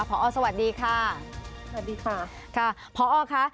พอสวัสดีค่ะสวัสดีค่ะค่ะพอค่ะ